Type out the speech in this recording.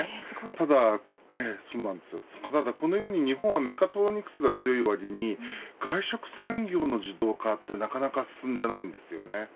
ただ、このように日本はメカトロニクスが強いわりに外食産業の自動化はなかなか進んでいないんです。